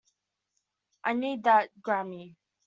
I need that Grammy.